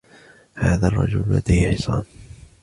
هذا الرجل لديه حصان.